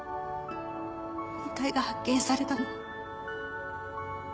遺体が発見されたの